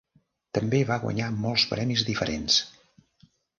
També va guanyar molts premis diferents.